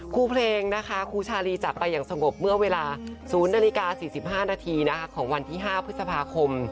ครูเพลงนะคะครูชาลีจากไปอย่างสงบเมื่อเวลา๐นาฬิกา๔๕นาทีของวันที่๕พฤษภาคม